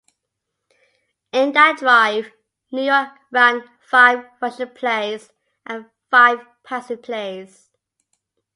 In that drive, New York ran five rushing plays and five passing plays.